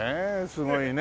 すごいね。